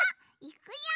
いくよ。